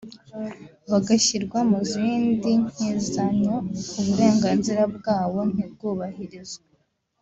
bagashyirwa mu zindi nk’intizanyo uburenganzira bwabo ntibwubahirizwe